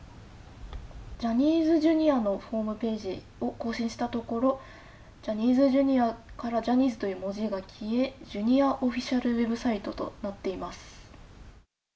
ジャニーズＪｒ．のホームページを更新したところ、ジャニーズＪｒ．からジャニーズという文字が消え、ジュニアオフィシャルウェブサイトとなっています。